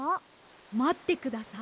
まってください。